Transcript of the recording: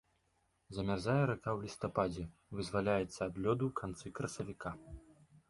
Замярзае рака ў лістападзе, вызваляецца ад лёду ў канцы красавіка.